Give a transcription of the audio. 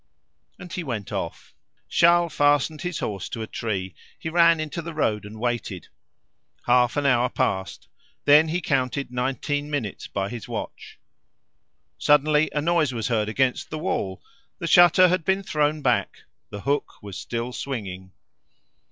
And he went off. Charles fastened his horse to a tree; he ran into the road and waited. Half an hour passed, then he counted nineteen minutes by his watch. Suddenly a noise was heard against the wall; the shutter had been thrown back; the hook was still swinging.